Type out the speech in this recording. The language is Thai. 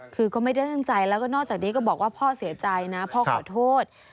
คือก็ไม่ได้ตั้งใจแล้วก็นอกจากนี้ก็บอกว่าพ่อเสียใจนะพ่อขอโทษ